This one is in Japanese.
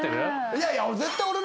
いやいや。